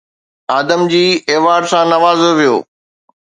Adamjee award سان نوازيو ويو